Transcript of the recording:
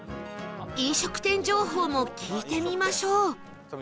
飲食店情報も聞いてみましょう